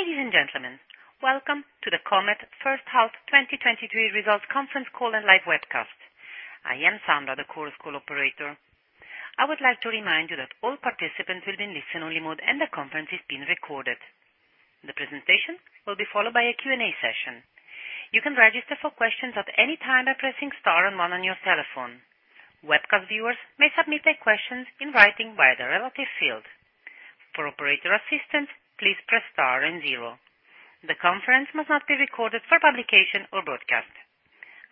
Ladies and gentlemen, welcome to the Comet H1 2022 Results Conference Call and Live Webcast. I am Sandra, the Chorus Call operator. I would like to remind you that all participants will be in listen-only mode, and the conference is being recorded. The presentation will be followed by a Q&A session. You can register for questions at any time by pressing star and one on your telephone. Webcast viewers may submit their questions in writing via the relative field. For operator assistance, please press star and zero. The conference must not be recorded for publication or broadcast.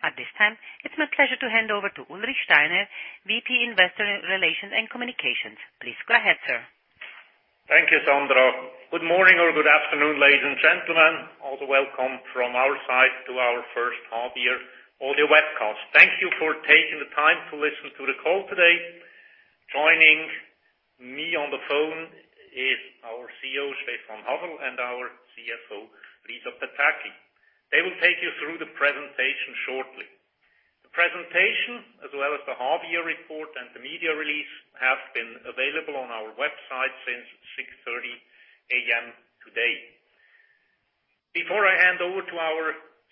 At this time, it's my pleasure to hand over to Ulrich Steiner, VP, Investor Relations and Communications. Please go ahead, sir. Thank you, Sandra. Good morning or good afternoon, ladies and gentlemen. Also welcome from our side to our first half-year audio webcast. Thank you for taking the time to listen to the call today. Joining me on the phone is our CEO, Stephan Haferl, and our CFO, Lisa Pataki. They will take you through the presentation shortly. The presentation, as well as the Half-Year Report and the media release, have been available on our website since 6:30 A.M. today. Before I hand over to our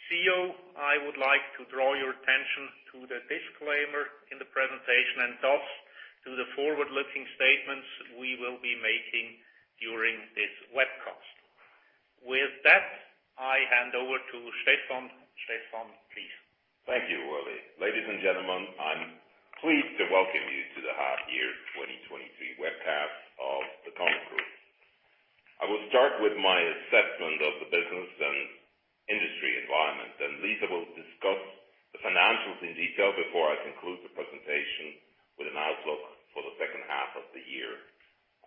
CEO, I would like to draw your attention to the disclaimer in the presentation, and thus to the forward-looking statements we will be making during this webcast. With that, I hand over to Stephan. Stephan, please. Thank you, Uli. Ladies and gentlemen, I'm pleased to welcome you to the half-year 2022 webcast of the Comet Group. Lisa will discuss the financials in detail before I conclude the presentation with an outlook for the second half of the year.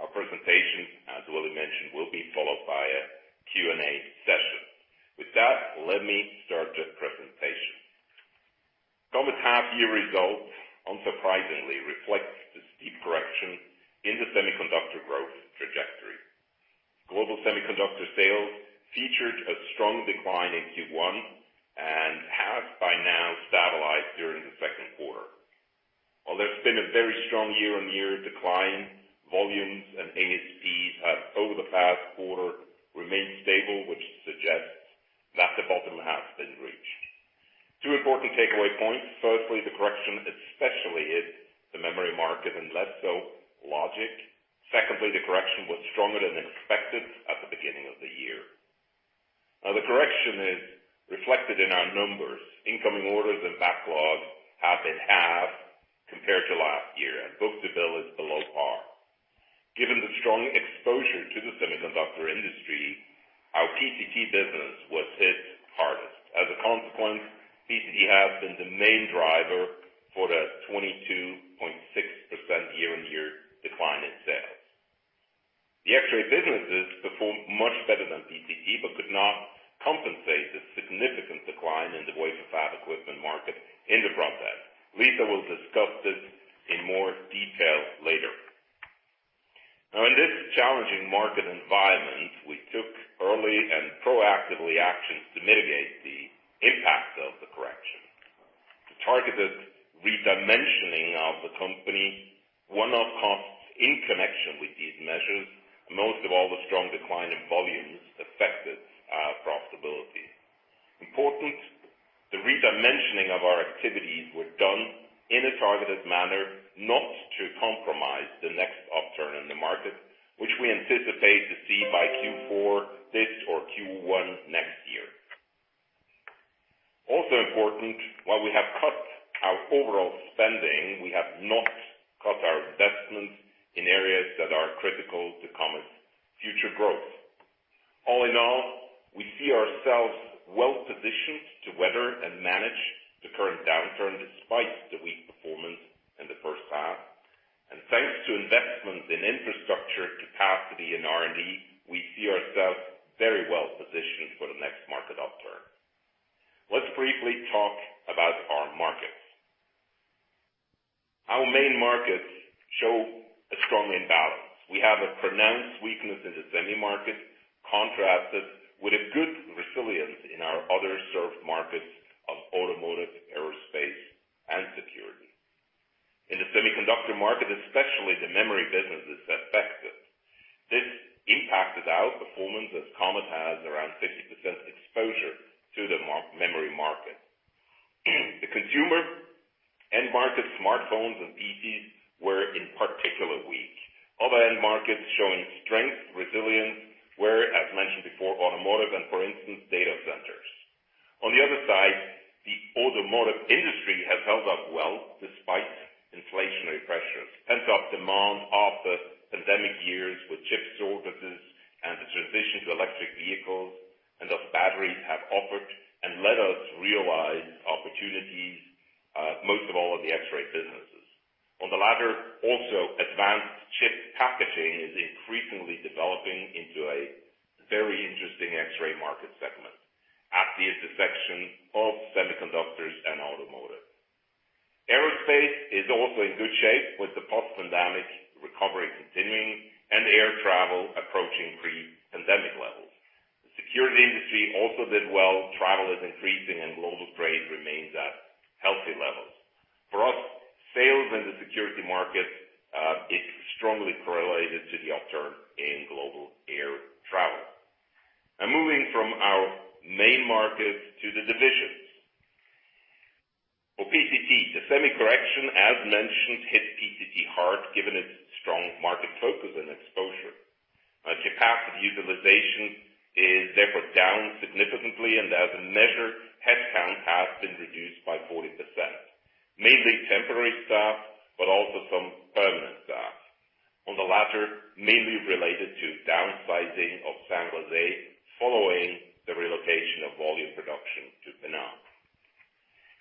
Our presentation, as Uli mentioned, will be followed by a Q&A session. With that, let me start the presentation. Comet half-year results, unsurprisingly, reflect the steep correction in the semiconductor growth trajectory. Global semiconductor sales featured a strong decline in Q1 and have by now stabilized during the Q2. While there's been a very strong year-on-year decline, volumes and ASPs have, over the past quarter, remained stable, which suggests that the bottom has been reached. Two important takeaway points. Firstly, the correction, especially in the memory market and less so, logic. Secondly, the correction was stronger than expected at the beginning of the year. The correction is reflected in our numbers. Incoming orders and backlogs have been half compared to last year, and book-to-bill is below par. Given the strong exposure to the semiconductor industry, our PCT business was hit hardest. As a consequence, PCT has been the main driver for the 22.6% year-on-year decline in sales. The X-ray businesses performed much better than PCT, but could not compensate the significant decline in the wafer fab equipment market in the process. Lisa will discuss this in more detail later. In this challenging market environment, we took early and proactively actions to mitigate the impact of the correction. The targeted dimensioning of the company, one-off costs in connection with these measures, most of all, the strong decline in volumes affected our profitability. Important, the re-dimensioning of our activities were done in a targeted manner, not to compromise the next upturn in the market, which we anticipate to see by Q4 this or Q1 next year. Also important, while we have cut our overall spending, we have not cut our investments in areas that are critical to Comet's future growth. All in all, we see ourselves well-positioned to weather and manage the current downturn, despite the weak performance in the H1, and thanks to investments in infrastructure, capacity, and R&D, we see ourselves very well-positioned for the next market upturn. Let's briefly talk about our markets. Our main markets show a strong imbalance. We have a pronounced weakness in the semi market, contrasted with a good resilience in our other served markets of automotive, aerospace, and security. In the semiconductor market, especially the memory business is affected. This impacted our performance, as Comet has around 60% exposure to the memory market. The consumer end market, smartphones and PCs, were in particular weak. Other end markets showing strength, resilience, where, as mentioned before, automotive and, for instance, data centers. On the other side, the automotive industry has held up well despite inflationary pressures. Pent-up demand after pandemic years with chip shortages and the transition to electric vehicles and thus batteries have offered and let us realize opportunities, most of all in the X-ray businesses. On the latter, also, advanced chip packaging is increasingly developing into a very interesting X-ray market segment, at the intersection of semiconductors and automotive. Aerospace is also in good shape, with the post-pandemic recovery continuing and air travel approaching pre-pandemic levels. The security industry also did well. Travel is increasing and global trade remains at healthy levels. For us, sales in the security market is strongly correlated to the upturn in global air travel. Now moving from our main market to the divisions. For PCT, the semi correction, as mentioned, hit PCT hard, given its strong market focus and exposure. Capacity utilization is therefore down significantly, and as a measure, headcount has been reduced by 40%, mainly temporary staff, but also some permanent staff. On the latter, mainly related to downsizing of San Jose following the relocation of volume production to Penang.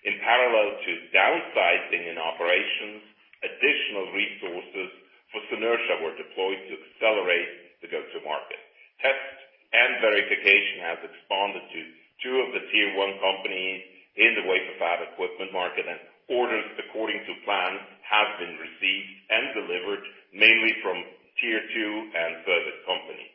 In parallel to downsizing in operations, additional resources for Synertia were deployed to accelerate the go-to-market. Test and verification has expanded to two of the tier one companies in the wafer fab equipment market, and orders according to plan have been received and delivered, mainly from tier two and further companies.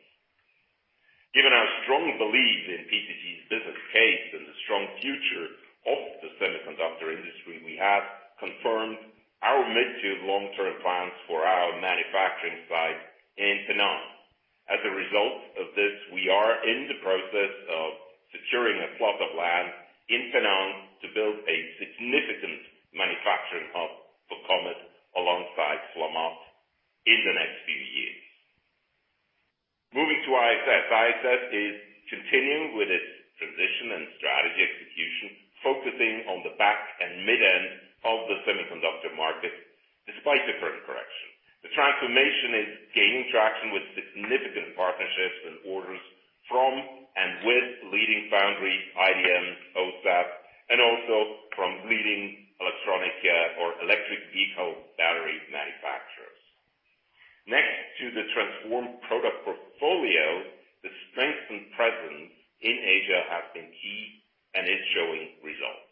Given our strong belief in PCT's business case and the strong future of the semiconductor industry, we have confirmed our mid to long-term plans for our manufacturing site in Penang. As a result of this, we are in the process of securing a plot of land in Penang to build a significant manufacturing hub for Comet alongside Flamatt in the next few years. Moving to IXS. IXS is continuing with its transition and strategy execution, focusing on the back and mid-end of the semiconductor market, despite the current correction. The transformation is gaining traction with significant partnerships and orders from and with leading foundry IDM, OSAT, and also from leading electronic, or electric vehicle battery manufacturers. Next to the transformed product portfolio, the strengthened presence in Asia has been key and is showing results.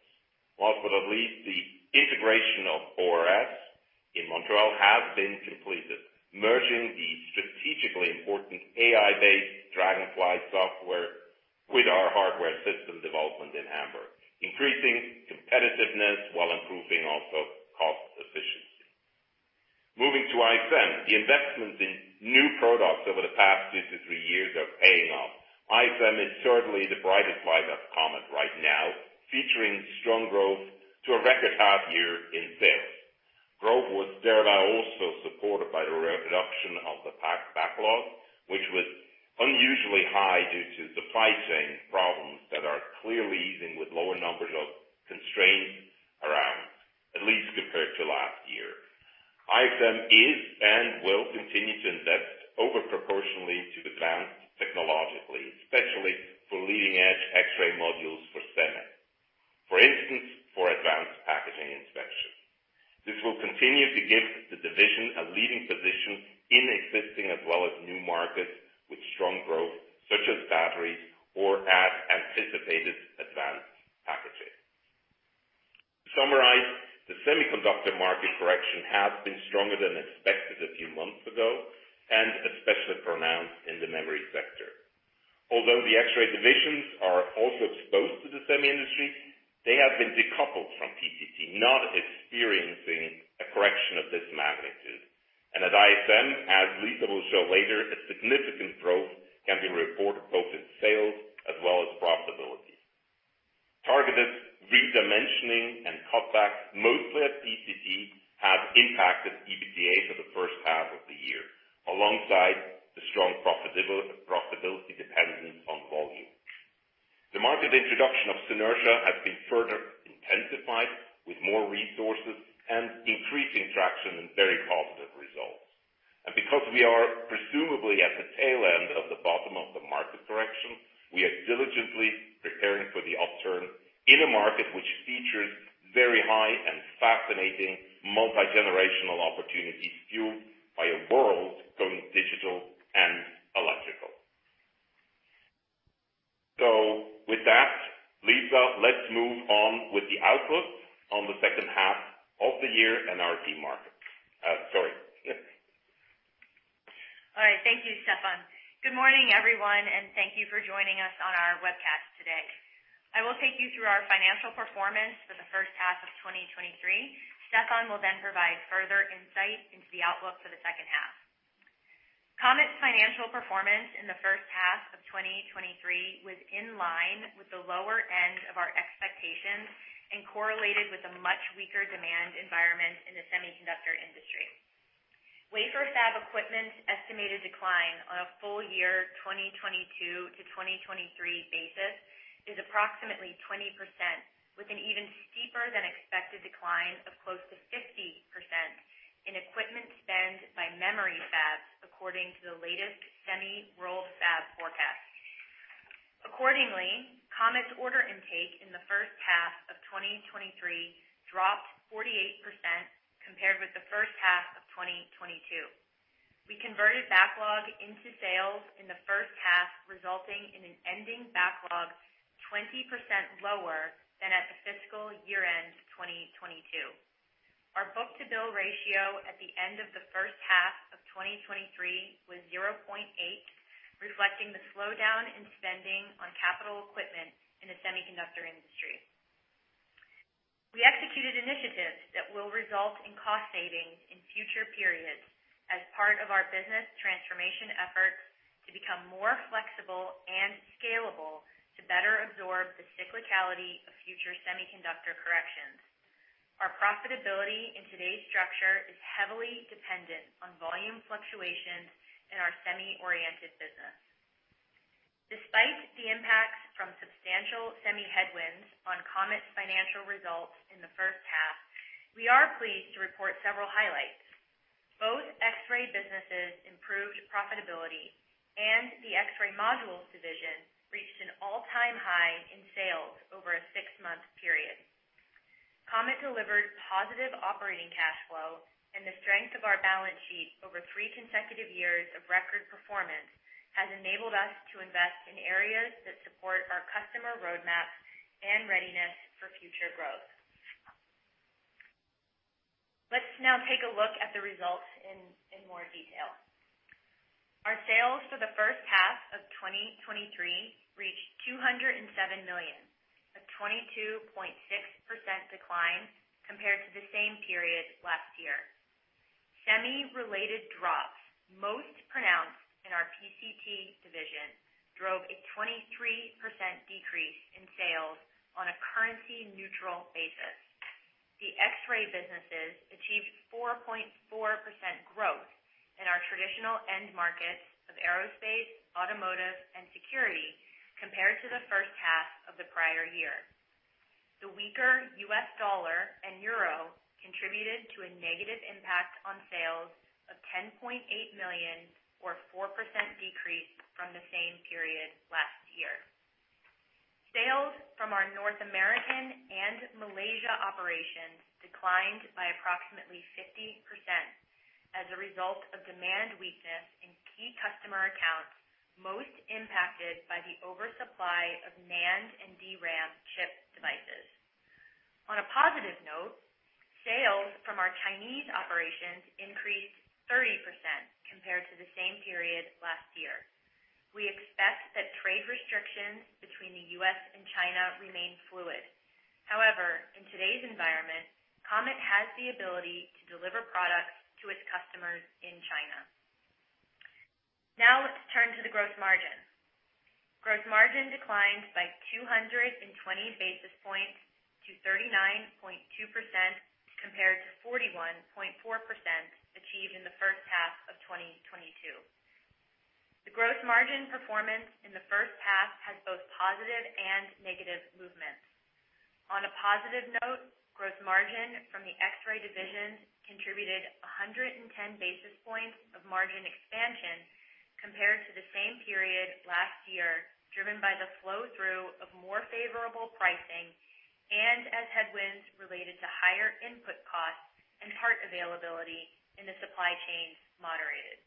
Last but not least, the integration of Object Research Systems in Montreal has been completed, merging the strategically important AI-based Dragonfly software with our hardware system development in Hamburg, increasing competitiveness while improving also cost efficiency. Moving to IXM, the investments in new products over the past 2 to 3 years are paying off. IXM is certainly the brightest light of Comet right now, featuring strong growth to a record half-year in sales. Growth was thereby also supported by the reduction of the backlog, which was unusually high due to supply chain problems that are clearly easing with lower numbers of constraints around, at least compared to last year. IXM is and will continue to invest over proportionally to the ground technologically, especially for leading-edge X-ray modules for semi. For instance, for advanced packaging inspection. This will continue to give the division a leading position in existing as well as new markets with strong growth, such as batteries or as anticipated advanced packaging. To summarize, the semiconductor market correction has been stronger than expected a few months ago, especially pronounced in the memory sector. Although the X-ray divisions are also exposed to the semi industry, they have been decoupled from PCT, not experiencing a correction of this magnitude. At IXM, as Lisa will show later, a significant growth can be reported both in sales as well as profitability. Targeted re-dimensioning and cutbacks, mostly at PCT, have impacted EBITDA for the H1 of the year, alongside the strong profitability dependent on volume. The market introduction of Synertia has been further intensified with more resources and increasing traction and very positive results. Because we are presumably at the tail end of the bottom of the market correction, we are diligently preparing for the upturn in a market which features very high and fascinating multi-generational opportunities fueled by a world going digital and electrical. With that, Lisa, let's move on with the outlook on the H2 of the year and our key markets. Sorry, yeah. All right. Thank you, Stefan. Good morning, everyone, thank you for joining us on our webcast today. I will take you through our financial performance for the H1 of 2023. Stefan will provide further insight into the outlook for the second half. Comet's financial performance in the first half of 2023 was in line with the lower end of our expectations and correlated with a much weaker demand environment in the semiconductor industry. Wafer fab equipment estimated decline on a full year, 2022 to 2023 basis, is approximately 20%, with an even steeper than expected decline of close to 50% in equipment spend by memory fabs, according to the latest Semi World Fab forecast. Accordingly, Comet's order intake in the first half of 2023 dropped 48% compared with the first half of 2022. We converted backlog into sales in the H1, resulting in an ending backlog 20% lower than at the fiscal year-end, 2022. Our book-to-bill ratio at the end of the H1 of 2023 was 0.8, reflecting the slowdown in spending on capital equipment in the semiconductor industry. We executed initiatives that will result in cost savings in future periods as part of our business transformation efforts to become more flexible and scalable to better absorb the cyclicality of future semiconductor corrections. Our profitability in today's structure is heavily dependent on volume fluctuations in our semi-oriented business. Despite the impacts from substantial semi headwinds on Comet's financial results in the H1, we are pleased to report several highlights. Both X-ray businesses improved profitability, and the X-ray modules division reached an all-time high in sales over a 6-month period. Comet delivered positive operating cash flow, and the strength of our balance sheet over three consecutive years of record performance has enabled us to invest in areas that support our customer roadmap and readiness for future growth. Let's now take a look at the results in more detail. Our sales for the first half of 2023 reached $207 million, a 22.6% decline compared to the same period last year. Semi-related drops, most pronounced in our PCT division, drove a 23% decrease in sales on a currency-neutral basis. The X-ray businesses achieved 4.4% growth in our traditional end markets of aerospace, automotive, and security, compared to the first half of the prior year. The weaker U.S. dollar and euro contributed to a negative impact on sales of 10.8 million, or 4% decrease from the same period last year. Sales from our North American and Malaysia operations declined by approximately 50% as a result of demand weakness in key customer accounts, most impacted by the oversupply of NAND and DRAM chip devices. On a positive note, sales from our Chinese operations increased 30% compared to the same period last year. We expect that trade restrictions between the U.S. and China remain fluid. However, in today's environment, Comet has the ability to deliver products to its customers in China. Now, let's turn to the gross margin. Gross margin declined by 220 basis points to 39.2%, compared to 41.4% achieved in the first half of 2022. The gross margin performance in the H1 had both positive and negative movements. On a positive note, gross margin from the X-ray division contributed 110 basis points of margin expansion compared to the same period last year, driven by the flow-through of more favorable pricing and as headwinds related to higher input costs and part availability in the supply chain moderated.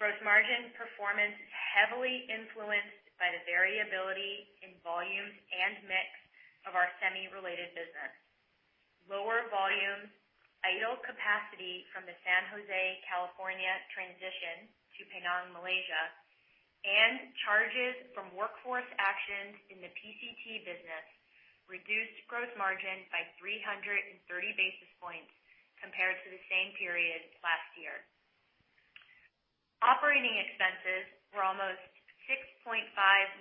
Gross margin performance is heavily influenced by the variability in volume and mix of our semi-related business. Lower volumes, idle capacity from the San Jose, California, transition to Penang, Malaysia, and charges from workforce actions in the PCT business reduced gross margin by 330 basis points compared to the same period last year. Operating expenses were almost $6.5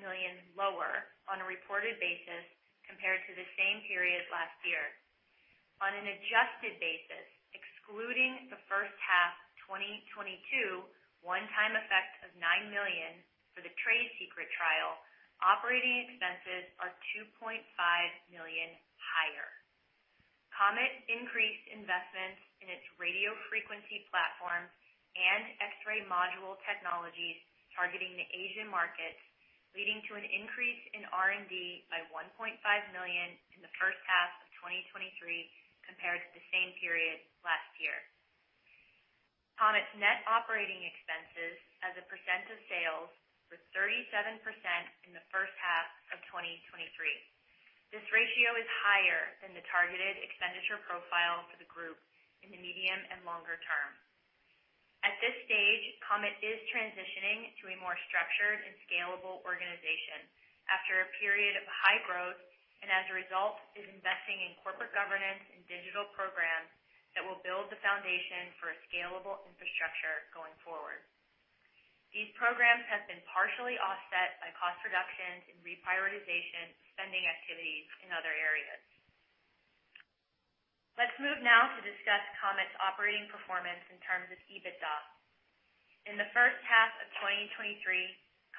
million lower on a reported basis compared to the same period last year. On an adjusted basis, excluding the H1 of 2022, one-time effect of $9 million for the trade secret trial, operating expenses are $2.5 million higher. Comet increased investments in its radio frequency platform and X-ray module technologies targeting the Asian markets, leading to an increase in R&D by $1.5 million in the H1 of 2023 compared to the same period last year. Comet's net operating expenses as a percent of sales were 37% in the first halH1 of 2023. This ratio is higher than the targeted expenditure profile for the group in the medium and longer term. At this stage, Comet is transitioning to a more structured and scalable organization after a period of high growth, and as a result, is investing in corporate governance and digital programs that will build the foundation for a scalable infrastructure going forward. These programs have been partially offset by cost reductions and reprioritization of spending activities in other areas. Let's move now to discuss Comet's operating performance in terms of EBITDA. In the first half of 2023,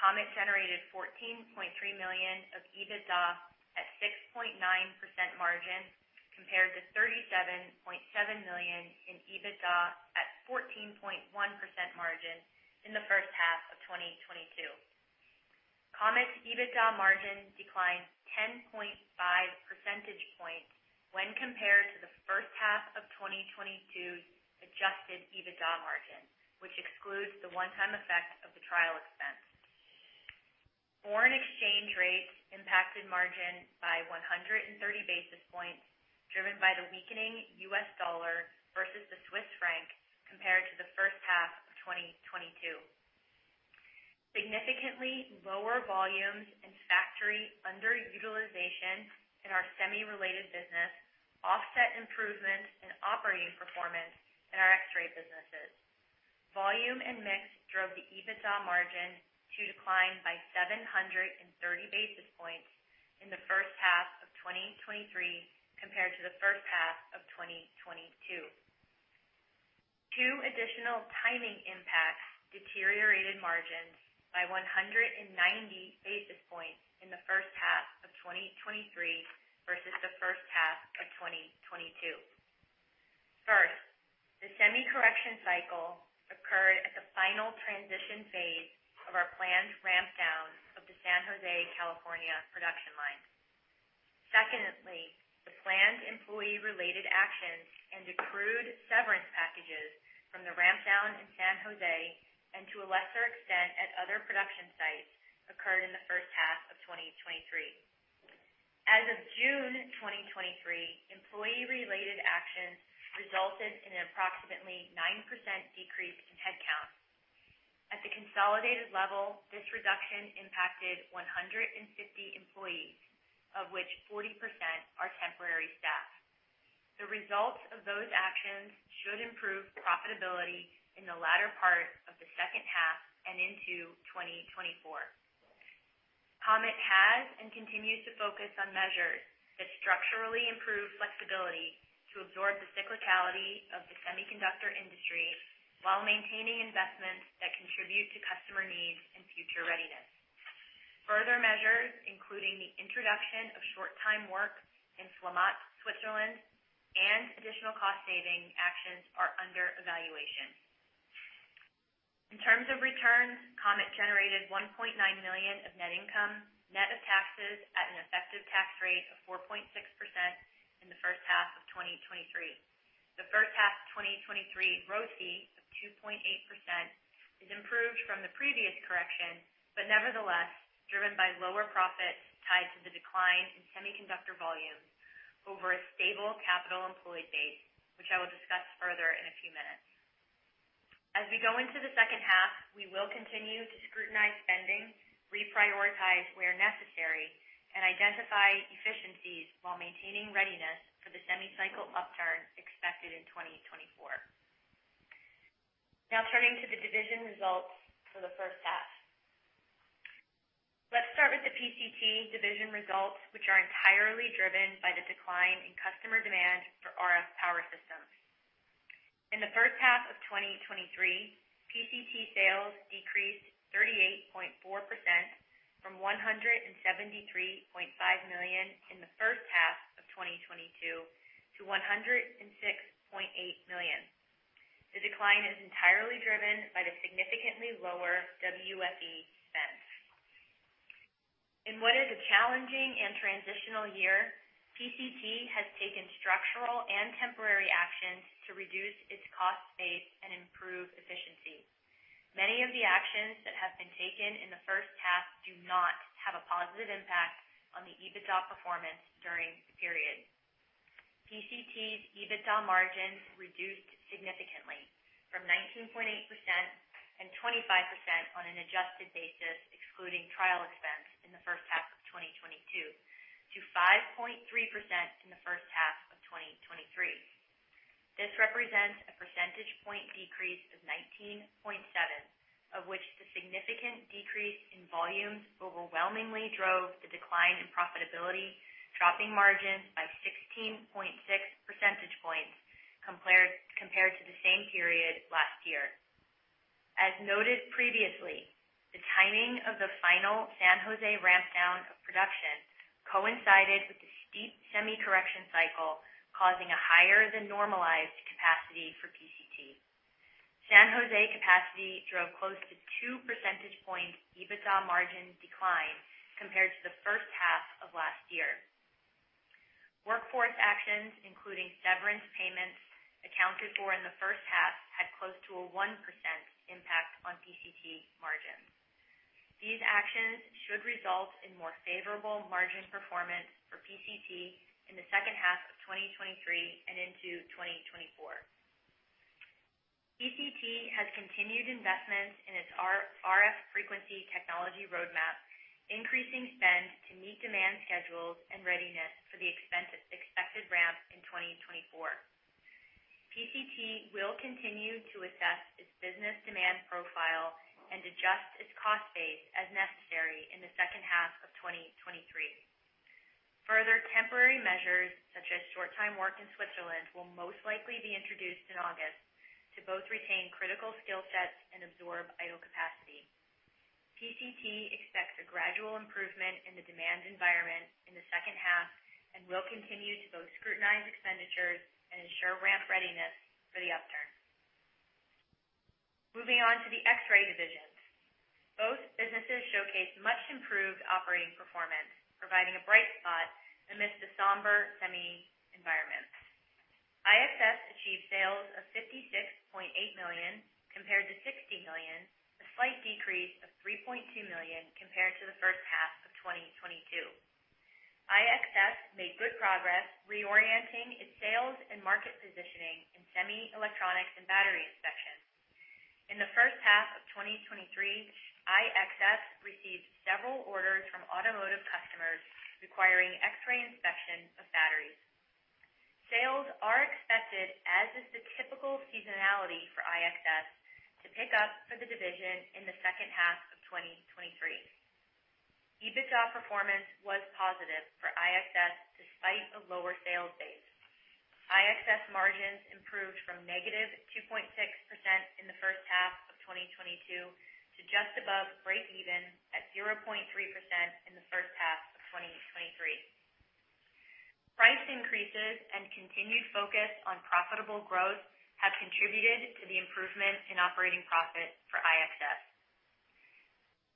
Comet generated 14.3 million of EBITDA at 6.9% margin, compared to 37.7 million in EBITDA at 14.1% margin in the first half of 2022. Comet's EBITDA margin declined 10.5% points when compared to the H1 of 2022's adjusted EBITDA.... includes the one-time effect of the trial expense. Foreign exchange rates impacted margin by 130 basis points, driven by the weakening US dollar versus the Swiss franc compared to the H1 of 2022. Significantly lower volumes and factory underutilization in our semi-related business offset improvements in operating performance in our X-ray businesses. Volume and mix drove the EBITDA margin to decline by 730 basis points in the first half of 2023, compared to the first half of 2022. Two additional timing impacts deteriorated margins by 190 basis points in the first half of 2023 versus the first half of 2022. First, the semi correction cycle occurred at the final transition phase of our planned ramp down of the San Jose, California, production line. Secondly, the planned employee-related actions and accrued severance packages from the ramp down in San Jose, and to a lesser extent at other production sites, occurred in the H1 of 2023. As of June 2023, employee-related actions resulted in an approximately 9% decrease in headcount. At the consolidated level, this reduction impacted 150 employees, of which 40% are temporary staff. The results of those actions should improve profitability in the latter part of the H2 and into 2024. Comet has and continues to focus on measures that structurally improve flexibility to absorb the cyclicality of the semiconductor industry, while maintaining investments that contribute to customer needs and future readiness. Further measures, including the introduction of short-time work in Flamatt, Switzerland, and additional cost-saving actions, are under evaluation. In terms of returns, Comet generated 1.9 million of net income, net of taxes at an effective tax rate of 4.6% in the H1 of 2023. The H1 of 2023 ROCE of 2.8% is improved from the previous correction, but nevertheless driven by lower profits tied to the decline in semiconductor volumes over a stable capital employee base, which I will discuss further in a few minutes. As we go into the second half, we will continue to scrutinize spending, reprioritize where necessary, and identify efficiencies while maintaining readiness for the semi-cycle upturn expected in 2024. Now, turning to the division results for the first half. Let's start with the PCT division results, which are entirely driven by the decline in customer demand for RF power systems. In the first half of 2023, PCT sales decreased 38.4% from $173.5 million in the first half of 2022 to $106.8 million. The decline is entirely driven by the significantly lower WFE spend. In what is a challenging and transitional year, PCT has taken structural and temporary actions to reduce its cost base and improve efficiency. Many of the actions that have been taken in the H1 do not have a positive impact on the EBITDA performance during the period. PCT's EBITDA margin reduced significantly from 19.8% and 25% on an adjusted basis, excluding trial expense in the first half of 2022, to 5.3% in the H1 of 2023. This represents a percentage point decrease of 19.7, of which the significant decrease in volumes overwhelmingly drove the decline in profitability, dropping margin by 16.6 percentage points compared to the same period last year. As noted previously, the timing of the final San Jose ramp down of production coincided with the steep semi correction cycle, causing a higher than normalized capacity for PCT. San Jose capacity drove close to 2 % points EBITDA margin decline compared to the H1 of last year. Workforce actions, including severance payments accounted for in the first half, had close to a 1% impact on PCT margins. These actions should result in more favorable margin performance for PCT in the H2 of 2023 and into 2024. PCT has continued investments in its RF frequency technology roadmap, increasing spend to meet demand schedules and readiness for the expected ramp in 2024. PCT will continue to assess its business demand profile and adjust its cost base as necessary in the H2 of 2023. Further temporary measures, such as short-time work in Switzerland, will most likely be introduced in August to both retain critical skill sets and absorb idle capacity. PCT expects a gradual improvement in the demand environment in the H2 and will continue to both scrutinize expenditures and ensure ramp readiness for the upturn. Moving on to the X-ray division. Much improved operating performance, providing a bright spot amidst the somber semi environment. IXS achieved sales of $56.8 million, compared to $60 million, a slight decrease of $3.2 million compared to the first half of 2022. IXS made good progress reorienting its sales and market positioning in semi electronics and battery inspection. In the first half of 2023, IXS received several orders from automotive customers requiring X-ray inspection of batteries. Sales are expected, as is the typical seasonality for IXS, to pick up for the division in the H2 of 2023. EBITDA performance was positive for IXS despite the lower sales base. IXS margins improved from -2.6% in the H1 of 2022 to just above breakeven at 0.3% in the H1 of 2023. Price increases and continued focus on profitable growth have contributed to the improvement in operating profit for IXS.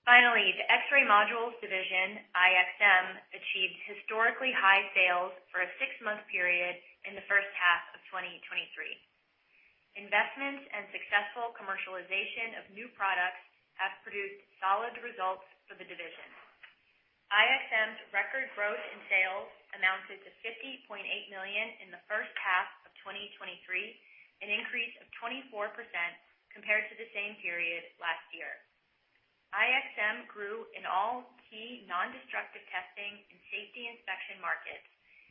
Finally, the X-ray Modules division, IXM, achieved historically high sales for a 6-month period in the H1 of 2023. Investments and successful commercialization of new products have produced solid results for the division. IXM's record growth in sales amounted to 50.8 million in the H1 of 2023, an increase of 24% compared to the same period last year. IXM grew in all key non-destructive testing and safety inspection markets,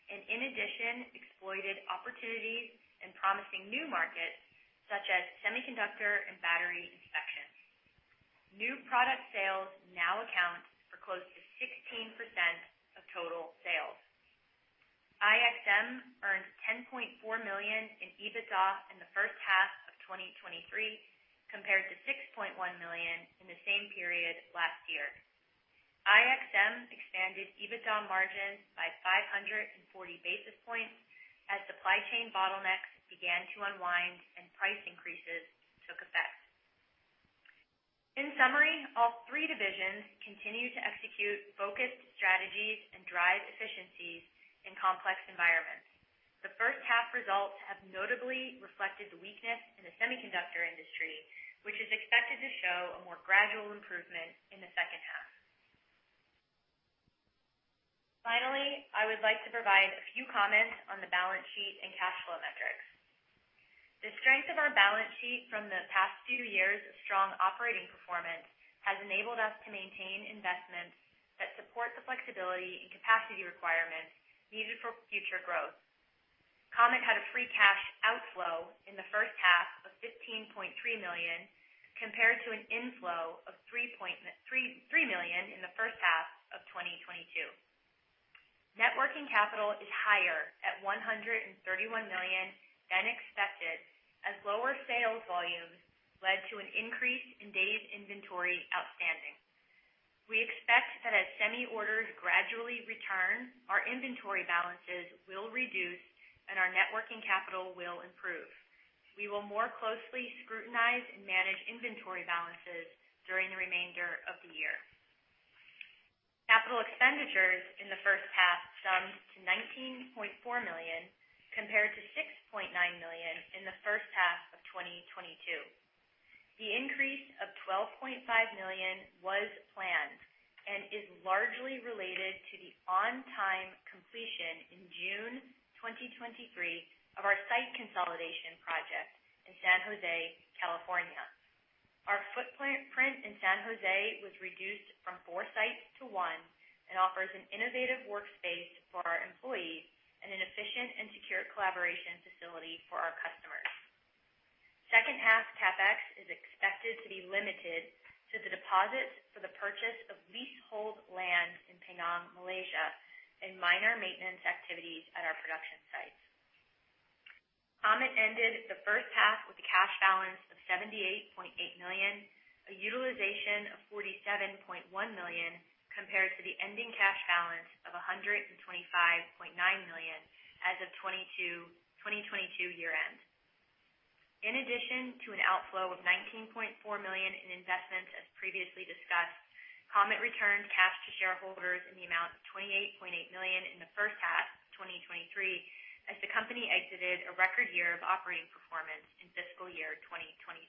and in addition, exploited opportunities in promising new markets such as semiconductor and battery inspection. New product sales now account for close to 16% of total sales. IXM earned $10.4 million in EBITDA in the first half of 2023, compared to $6.1 million in the same period last year. IXM expanded EBITDA margin by 540 basis points, as supply chain bottlenecks began to unwind and price increases took effect. In summary, all three divisions continue to execute focused strategies and drive efficiencies in complex environments. The first half results have notably reflected the weakness in the semiconductor industry, which is expected to show a more gradual improvement in the H2. Finally, I would like to provide a few comments on the balance sheet and cash flow metrics. The strength of our balance sheet from the past few years of strong operating performance has enabled us to maintain investments that support the flexibility and capacity requirements needed for future growth. Comet had a free cash outflow in the H1 of $15.3 million, compared to an inflow of $3.3 million in the first half of 2022. Net working capital is higher at $131 million than expected, as lower sales volumes led to an increase in days inventory outstanding. We expect that as semi orders gradually return, our inventory balances will reduce and our net working capital will improve. We will more closely scrutinize and manage inventory balances during the remainder of the year. Capital expenditures in the H1 summed to $19.4 million, compared to $6.9 million in the H1 of 2022. The increase of $12.5 million was planned and is largely related to the on-time completion in June 2023 of our site consolidation project in San Jose, California. Our footprint in San Jose was reduced from four sites to one and offers an innovative workspace for our employees and an efficient and secure collaboration facility for our customers. Second half CapEx is expected to be limited to the deposits for the purchase of leasehold land in Penang, Malaysia, and minor maintenance activities at our production sites. Comet ended the H2 with a cash balance of $78.8 million, a utilization of $47.1 million, compared to the ending cash balance of $125.9 million as of 2022 year end. In addition to an outflow of $19.4 million in investments, as previously discussed, Comet returned cash to shareholders in the amount of $28.8 million in the H1 of 2023, as the company exited a record year of operating performance in fiscal year 2022.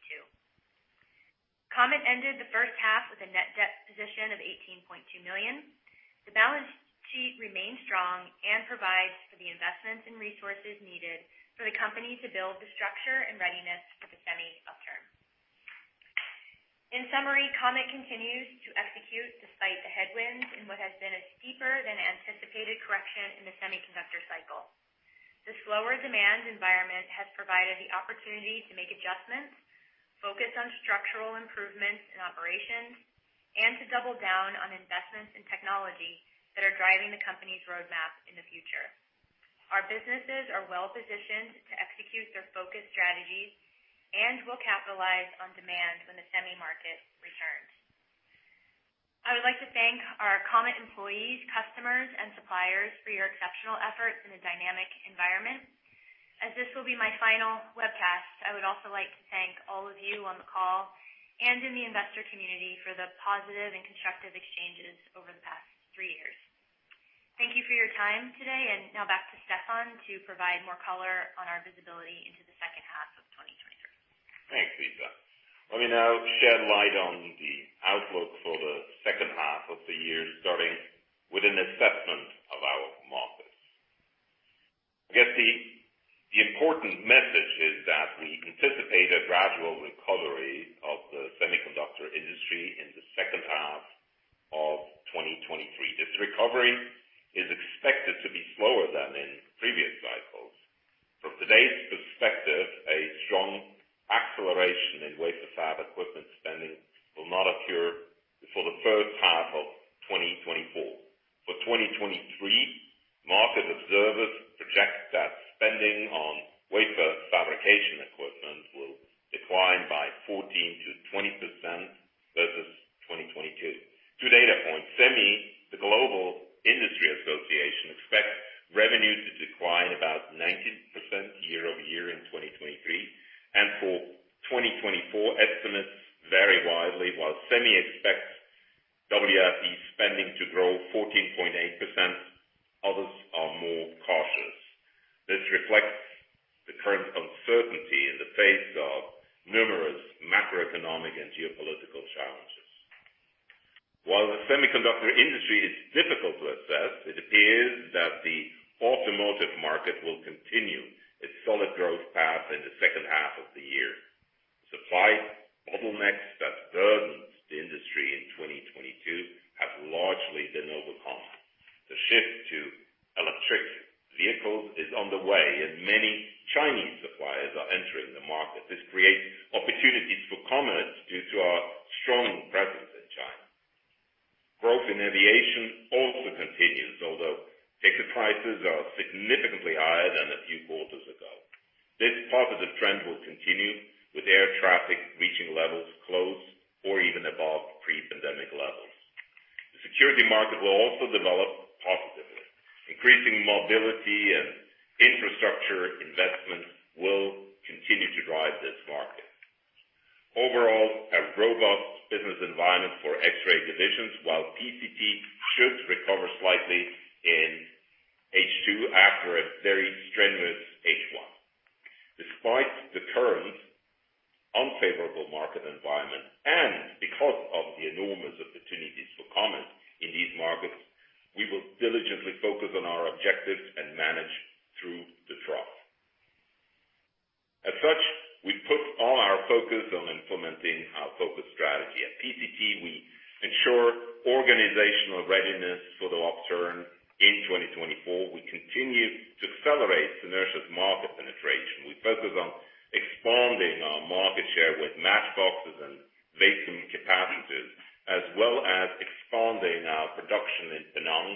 Comet ended the first half with a net debt position of $18.2 million. The balance sheet remains strong and provides for the investments and resources needed for the company to build the structure and readiness for the semi upturn. In summary, Comet continues to execute despite the headwinds in what has been a steeper than anticipated correction in the semiconductor cycle. The slower demand environment has provided the opportunity to make adjustments, focus on structural improvements in operations, and to double down on investments in technology that are driving the company's roadmap in the future. Our businesses are well positioned to execute their focused strategies, and we'll capitalize on demand when the semi market returns. I would like to thank our Comet employees, customers, and suppliers for your exceptional efforts in a dynamic environment. As this will be my final webcast, I would also like to thank all of you on the call and in the investor community for the positive and constructive exchanges over the past 3 years. Thank you for your time today. Now back to Stefan to provide more color on our visibility into the second half of 2023. Thanks, Lisa. Let me now shed light on the outlook for the second half of the year, starting with an assessment of our markets. I guess the important message is that we anticipate a gradual recovery of the semiconductor industry in the second half of 2023. This recovery is expected to be slower than in previous cycles. From today's perspective, a strong acceleration in wafer fab equipment spending will not occur before the first half of 2024. For 2023, market observers project that spending on wafer fabrication equipment will decline by 14%-20% versus 2022. Two data points. SEMI, the global industry association, expects revenue to decline about 19% year-over-year in 2023, and for 2024, estimates vary widely. While SEMI expects WFE spending to grow 14.8%, others are more cautious. This reflects the current uncertainty in the face of numerous macroeconomic and geopolitical challenges. While the semiconductor industry is difficult to assess, it appears that the automotive market will continue its solid growth path in the second half of the year. Supply bottlenecks that burdened the industry in 2022 have largely been overcome. The shift to electric vehicles is on the way, and many Chinese suppliers are entering the market. This creates opportunities for Comet due to our strong presence in China. Growth in aviation also continues, although ticket prices are significantly higher than a few quarters ago. This positive trend will continue, with air traffic reaching levels close or even above pre-pandemic levels. The security market will also develop positively. Increasing mobility and infrastructure investments will continue to drive this market. Overall, a robust business environment for X-ray divisions, while PCT should recover slightly in H2 after a very strenuous H1. Despite the current unfavorable market environment, and because of the enormous opportunities for commerce in these markets, we will diligently focus on our objectives and manage through the trough. As such, we put all our focus on implementing our focus strategy. At PCT, we ensure organizational readiness for the upturn in 2024. We continue to accelerate Synertia's market penetration. We focus on expanding our market share with mask boxes and vacuum capacitors, as well as expanding our production in Penang,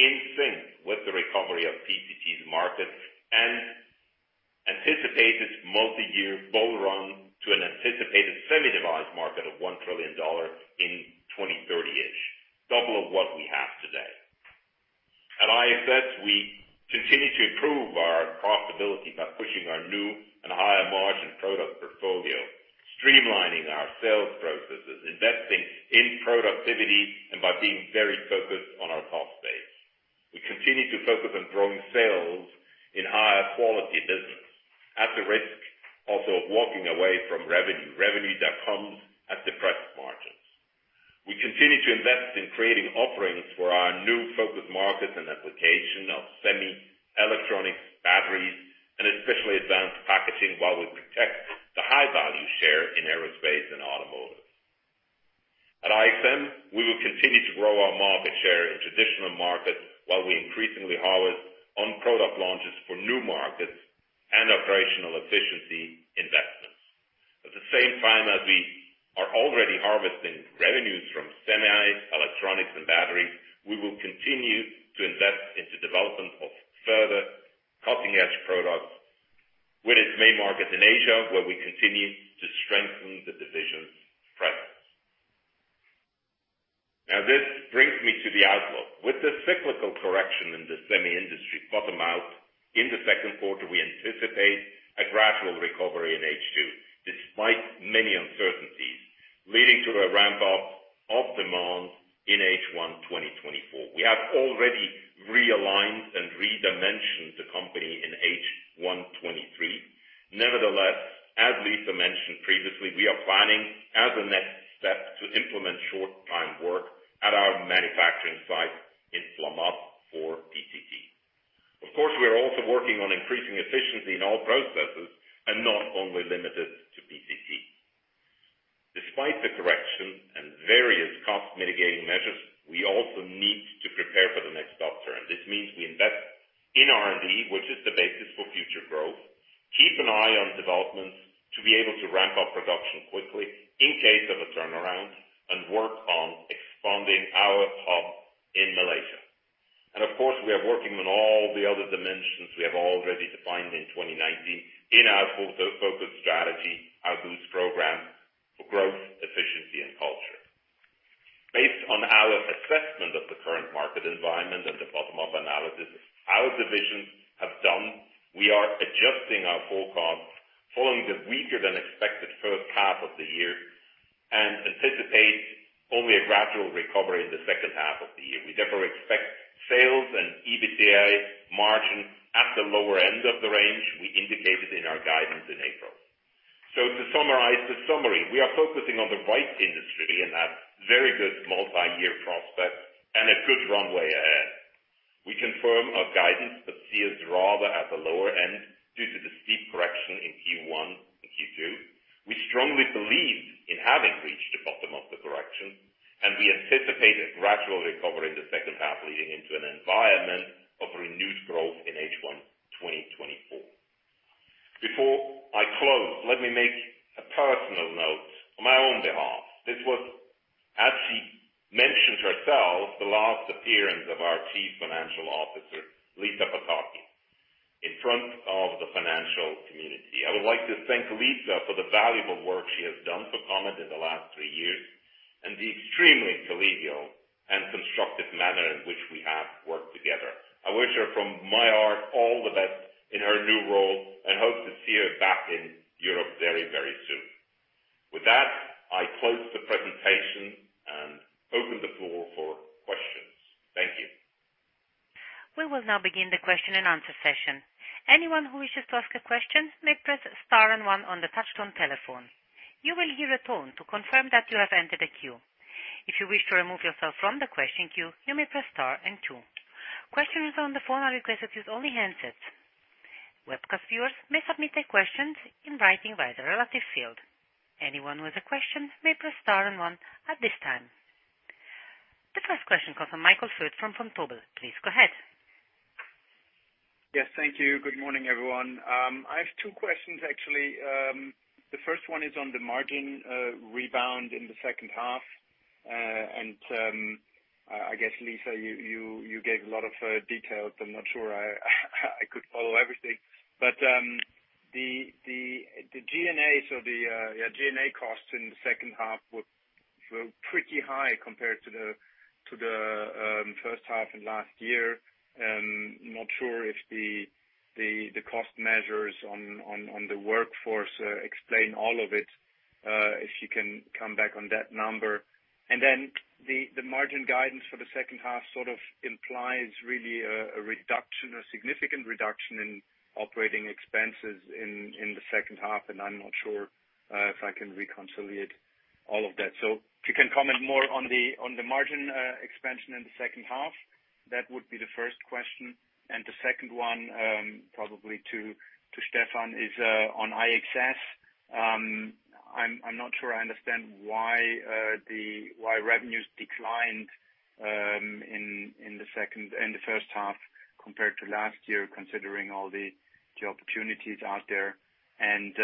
in sync with the recovery of PCT's market and anticipate this multi-year bull run to an anticipated semi-device market of $1 trillion in 2030-ish, double of what we have today. At IXM, we continue to improve our profitability by pushing our new and higher margin product portfolio, streamlining our sales processes, investing in productivity, and by being very focused on our cost base. We continue to focus on growing sales in higher quality business, at the risk also of walking away from revenue, revenue that comes at depressed margins. We continue to invest in creating offerings for our new focus markets and application of semi electronics, batteries, and especially advanced packaging, while we protect the high value share in aerospace and automotive. At IXM, we will continue to grow our market share in traditional markets, while we increasingly harvest on product launches for new markets and operational efficiency investments. At the same time as we are already harvesting revenues from semi, electronics, and batteries, we will continue to invest in the development of further cutting-edge products with its main markets in Asia, where we continue to strengthen the division's presence. This brings me to the outlook. With the cyclical correction in the semi industry bottom out, in the second quarter, we anticipate a gradual recovery in H2, despite many uncertainties, leading to a ramp up of demand in H1 2024. We have already realigned and the company in H1 2023. Nevertheless, as Lisa mentioned previously, we are planning as a next step, to implement short time work at our manufacturing site in Flamatt for PCT. Of course, we are also working on increasing efficiency in all processes and not only limited to PCT. Despite the correction and various cost mitigating measures, we also need to prepare for the next upturn. This means we invest in R&D, which is the basis for future growth, keep an eye on developments to be able to ramp up production quickly in case of a turnaround, and work on expanding our hub in Malaysia. Of course, we are working on all the other dimensions we have already defined in 2019 in our focus strategy, our Boost program for growth, efficiency, and culture. Assessment of the current market environment and the bottom-up analysis our divisions have done, we are adjusting our forecast following the weaker than expected first half of the year and anticipate only a gradual recovery in the second half of the year. We therefore expect sales and EBITDA margin at the lower end of the range we indicated in our guidance in April. To summarize the summary, we are focusing on the right industry and have very good multi-year prospects and a good runway ahead. We confirm our guidance, but see us rather at the lower end due to the steep correction in Q1 and Q2. We strongly believe in having reached the bottom of the correction, and we anticipate a gradual recovery in the second half, leading into an environment of renewed growth in H1 2024. Before I close, let me make a personal note on my own behalf. This was, as she mentioned herself, the last appearance of our Chief Financial Officer, Lisa Pataki, in front of the financial community. I would like to thank Lisa for the valuable work she has done for Comet in the last three years and the extremely collegial and constructive manner in which we have worked together. I wish her, from my heart, all the best in her new role and hope to see her back in Europe very, very soon. With that, I close the presentation and open the floor for questions. Thank you. We will now begin the question and answer session. Anyone who wishes to ask a question may press star and one on the touchtone telephone. You will hear a tone to confirm that you have entered a queue. If you wish to remove yourself from the question queue, you may press star and two. Questions on the phone are requested to use only handsets. Webcast viewers may submit their questions in writing via the relative field. Anyone with a question may press star and one at this time. The first question comes from Michael Foeth from Vontobel. Please go ahead. Yes, thank you. Good morning, everyone. I have two questions, actually. The first one is on the margin rebound in the second half. I guess, Lisa, you gave a lot of details. I'm not sure I could follow everything, but the GNA, so the yeah, GNA costs in the second half were pretty high compared to the first half and last year. Not sure if the cost measures on the workforce explain all of it. If you can come back on that number. Then the margin guidance for the second half sort of implies really a reduction or significant reduction in operating expenses in the second half, and I'm not sure if I can reconciliate all of that. If you can comment more on the, on the margin expansion in the second half, that would be the first question. The second one, probably to Stefan, is on IXS. I'm not sure I understand why why revenues declined in, in the second, in the first half compared to last year, considering all the job opportunities out there, and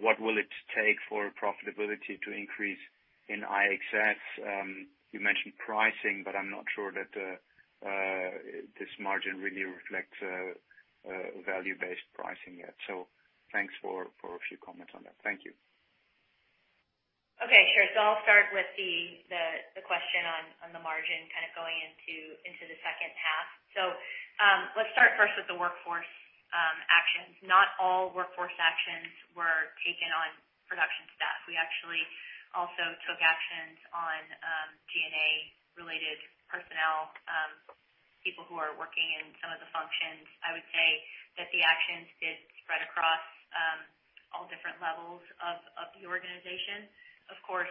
what will it take for profitability to increase in IXS? You mentioned pricing, but I'm not sure that this margin really reflects value-based pricing yet. Thanks for, for a few comments on that. Thank you. Okay, sure. I'll start with the question on the margin kind of going into the second half. Let's start first with the workforce actions. Not all workforce actions were taken on production staff. We actually also took actions on GNA-related personnel, people who are working in some of the functions. I would say that the actions did spread across all different levels of the organization. Of course,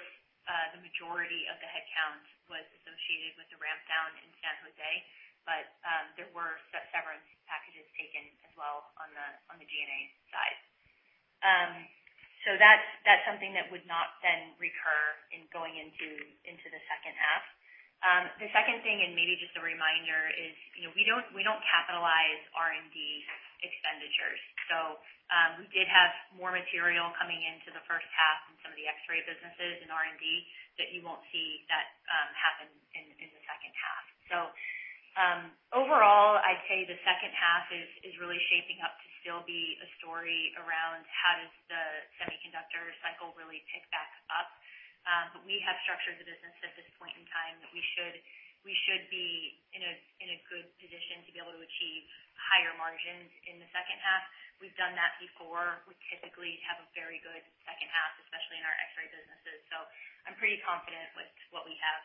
the majority of the headcount was associated with the ramp down in San Jose, but there were severance packages taken as well on the GNA side. That's something that would not then recur in going into the second half. The second thing, and maybe just a reminder, is, you know, we don't, we don't capitalize R&D expenditures. We did have more material coming into the first half in some of the X-ray businesses in R&D that you won't see that happen in, in the second half. Overall, I'd say the second half is, is really shaping up to still be a story around how does the semiconductor cycle really pick back up. We have structured the business at this point in time that we should, we should be in a, in a good position to be able to achieve higher margins in the second half. We've done that before. We typically have a very good second half, especially in our X-ray businesses. I'm pretty confident with what we have,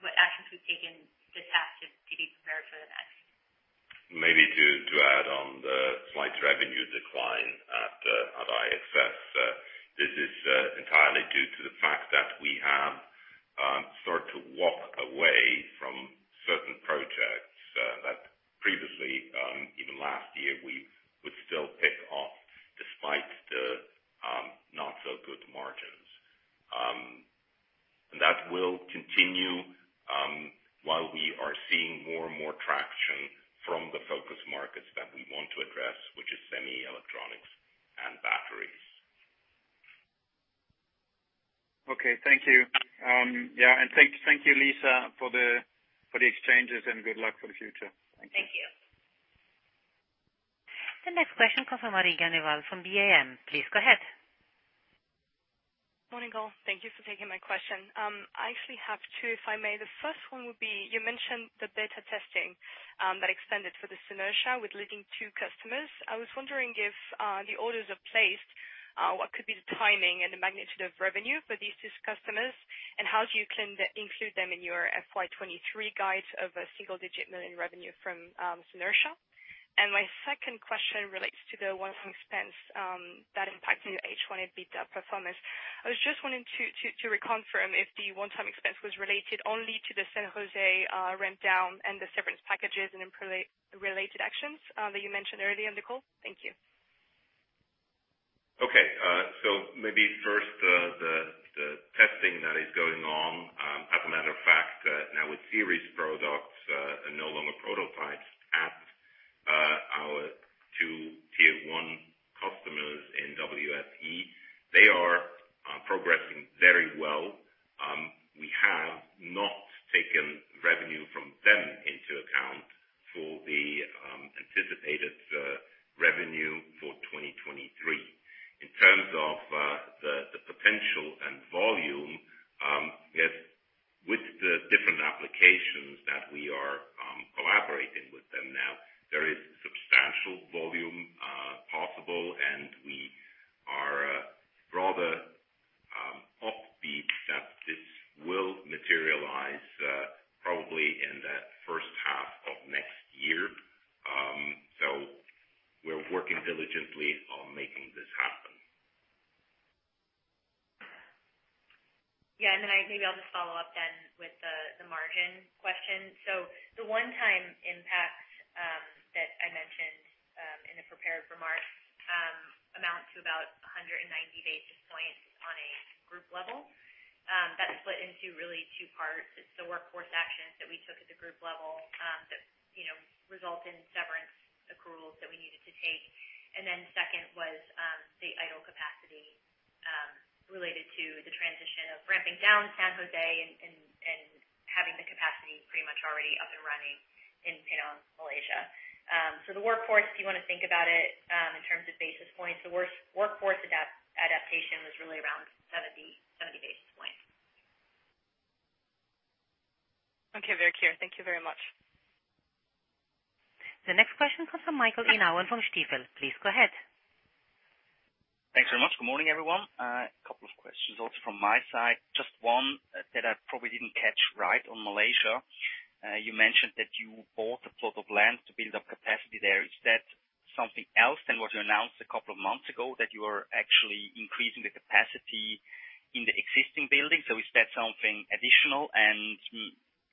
what actions we've taken this half to, to be prepared for the next. Maybe to, to add on the slight revenue decline at IXS. This is entirely due to the fact that we have started to walk away from certain projects that previously, even last year, we would still pick up despite the not so good margins. That will continue while we are seeing more and more traction from the focus markets that we want to address, which is semi electronics and batteries. Okay. Thank you. Yeah, thank, thank you, Lisa, for the, for the exchanges, and good luck for the future. Thank you. The next question comes from Marie-Therese Gruebner from BAM. Please go ahead. Morning, all. Thank you for taking my question. I actually have 2, if I may. The first one would be, you mentioned the beta testing that expanded for the Synertia with leading 2 customers. I was wondering if the orders are placed, what could be the timing and the magnitude of revenue for these 2 customers? How do you plan to include them in your FY 2023 guide of a single-digit million revenue from Synertia? My second question relates to the one-time expense that impacted your H1 EBITDA performance. I was just wanting to reconfirm if the one-time expense was related only to the San Jose ramp down and the severance packages and improve related actions that you mentioned earlier in the call. Thank you. Okay. Maybe first, the, the, the testing that is going on, as a matter of fact, now with series products, and no longer prototypes at our 2 Tier 1 customers in WFE, they are progressing very well. We have not taken revenue from them into account for the anticipated revenue for 2023. In terms of the potential and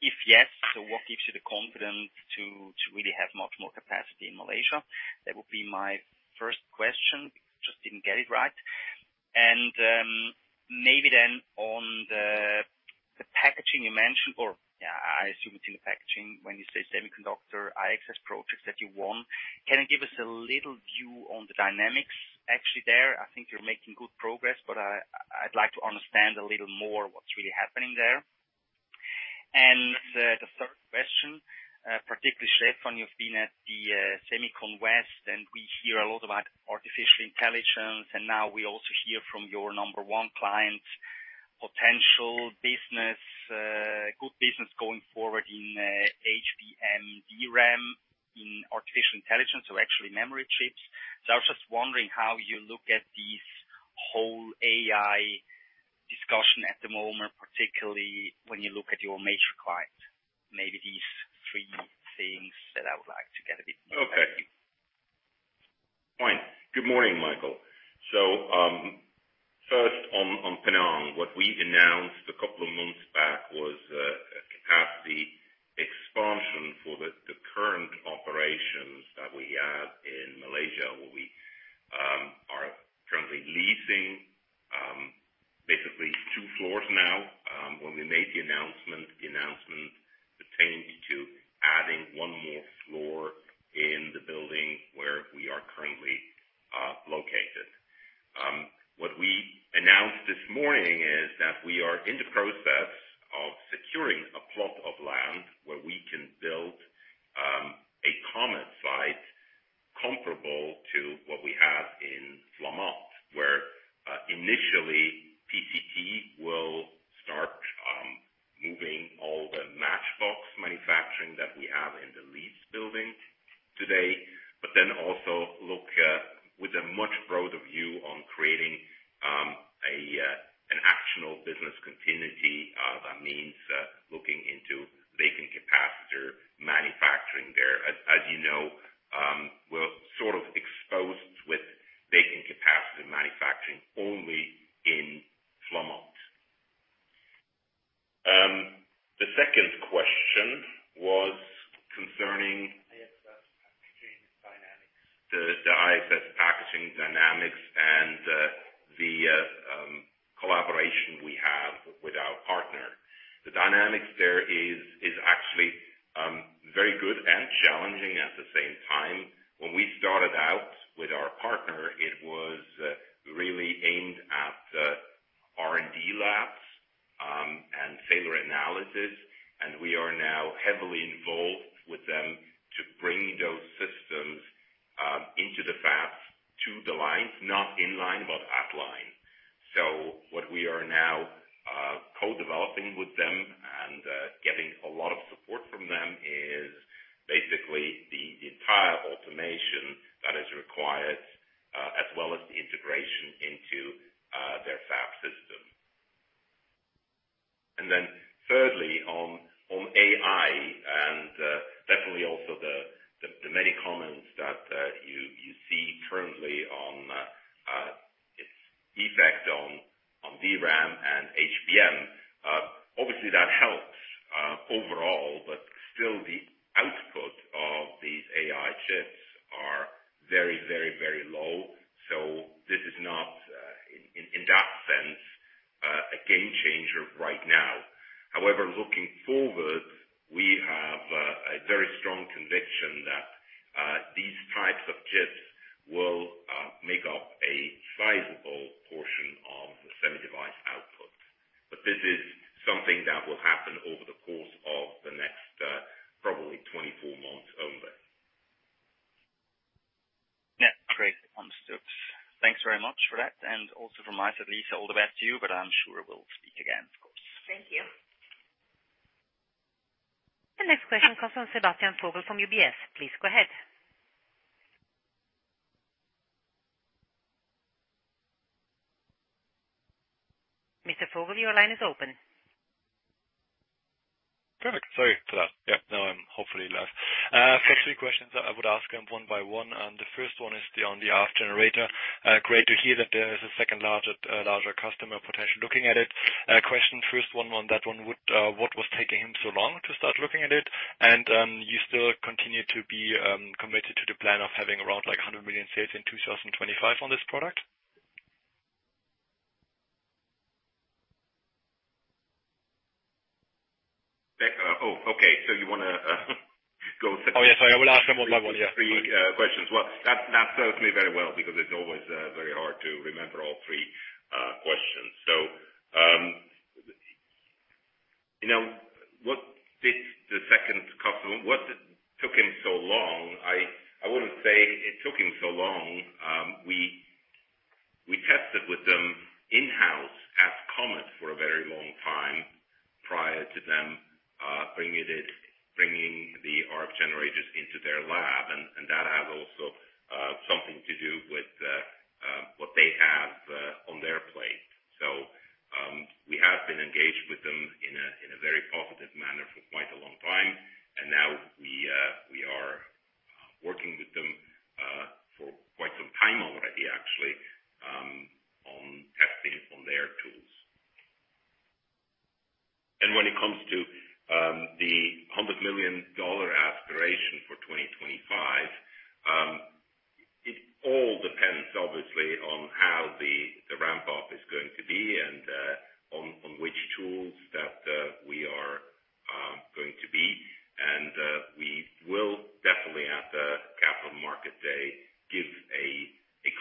If yes, what gives you the confidence to really have much more capacity in Malaysia? That would be my first question. Just didn't get it right. Maybe then on the packaging you mentioned, or yeah, I assume it's in the packaging when you say Semiconductor IXS projects that you won. Can you give us a little view on the dynamics actually there? I think you're making good progress, but I'd like to understand a little more what's really happening there. The third question, particularly, Stefan, you've been at the Semicon West, and we hear a lot about artificial intelligence, and now we also hear from your number one client, potential business, good business going forward in HBM DRAM, in artificial intelligence, so actually memory chips. I was just wondering how you look at this whole AI discussion at the moment, particularly when you look at your major clients. Maybe these three things that I would like to get a bit more clarity. Okay. Fine. Good morning, Michael. First on, on Penang. What we announced a couple of months back was a capacity expansion for the current operations that we have in Malaysia, where we are currently leasing basically 2 floors now. When we made the announcement, the announcement pertained to adding 1 more floor in the building where we are currently located. What we announced this morning is that we are in the process of securing a plot of land where we can build a common site comparable to what we have in Flamatt, where initially, we have a very strong conviction that these types of chips will make up a sizable portion of the Semi-device output. This is something that will happen over the course of the next probably 24 months only. Yeah, great. Understood. Thanks very much for that, and also from myself, Lisa, all the best to you, but I'm sure we'll speak again, of course. Thank you. The next question comes from Sebastian Vogel from UBS. Please go ahead. Mr. Fogel, your line is open. Perfect. Sorry for that. Yeah, now I'm hopefully live. Three questions I would ask, one by one. The first one is the, on the arc generator. Great to hear that there is a second larger, larger customer potentially looking at it. Question first one on that one, would, what was taking him so long to start looking at it? You still continue to be committed to the plan of having around like $100 million sales in 2025 on this product? Back, oh, okay, you wanna go- Oh, yes, I will ask them one by one. Yeah. 3 questions. Well, that, that serves me very well because it's always very hard to remember all 3 questions. You know, what did the second customer... What took him so long? I, I wouldn't say it took him so long. We, we tested with them in-house at Comet for a very long time prior to them bringing it, bringing the arc generators into their lab. That has also something to do with what they have on their plate. We have been engaged with them in a, in a very positive manner for quite a long time, and now we are working with them for quite some time already, actually, on testing on their tools. When it comes to the $100 million aspiration for 2025, it all depends obviously on how the ramp-up is going to be and on which tools that we are going to be. We will definitely at the Capital Market Day, give a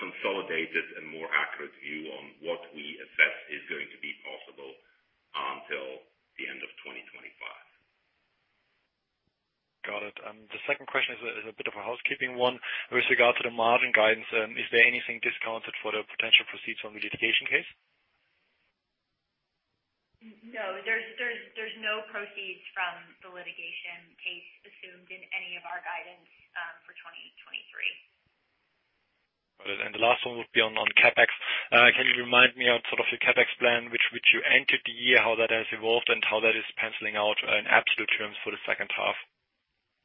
consolidated and more accurate view on what we assess is going to be possible until the end of 2025. Got it. The second question is a, is a bit of a housekeeping one with regard to the margin guidance. Is there anything discounted for the potential proceeds from the litigation case? No, there's, there's, there's no proceeds from the litigation case assumed in any of our guidance, for 2023. Got it. The last one would be on, on CapEx. Can you remind me of sort of the CapEx plan, which, which you entered the year, how that has evolved and how that is penciling out in absolute terms for the second half?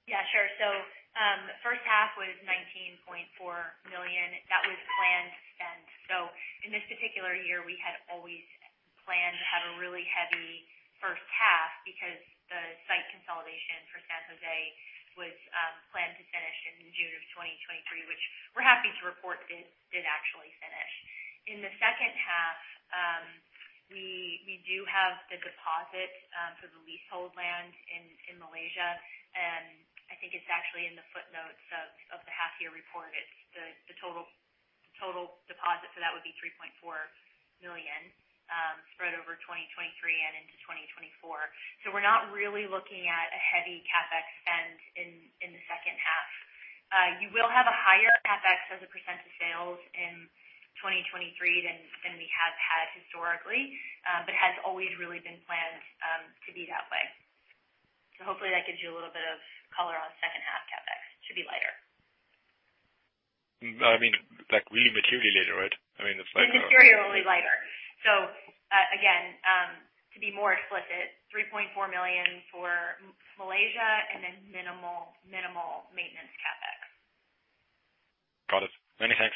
Yeah, sure. The first half was $19.4 million. That was planned spend. In this particular year, we had always planned to have a really heavy first half because the site consolidation for San Jose was planned to finish in June 2023, which we're happy to report did, did actually finish. In the second half, we, we do have the deposit for the leasehold land in Malaysia, and I think it's actually in the footnotes of the Half-Year Report. It's the, the total, the total deposit, so that would be $3.4 million spread over 2023 and into 2024. We're not really looking at a heavy CapEx spend in the second half. You will have a higher CapEx as a % of sales in 2023 than we have had historically, but has always really been planned to be that way. Hopefully that gives you a little bit of color on second half CapEx. It should be lighter. I mean, like really materially lighter, right? I mean, it's like. Materially lighter. Again, to be more explicit, $3.4 million for Malaysia and then minimal, minimal maintenance CapEx. Got it. Many thanks.